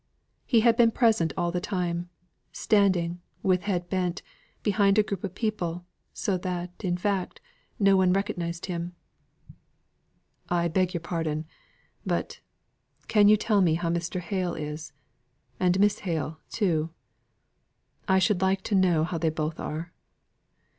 He had been present all the time, standing, with bent head, behind a group of people, so that, in fact, no one had recognised him. "I beg your pardon, but, can you tell me how Mr. Hale is? And Miss Hale, too? I should like to know how they both are."